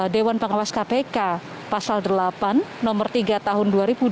dewan pengawas kpk pasal delapan nomor tiga tahun dua ribu dua puluh